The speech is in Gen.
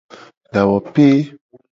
Dawope.